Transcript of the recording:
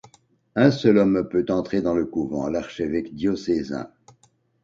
Un seul homme peut entrer dans le couvent, l’archevêque diocésain.